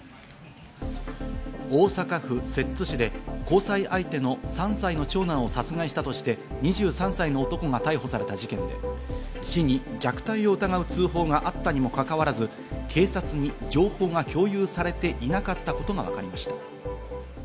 大阪府摂津市で交際相手の３歳の長男を殺害したとして２３歳の男が逮捕された事件で、市に虐待を疑う通報があったにもかかわらず、警察に情報が共有されていなかったことがわかりました。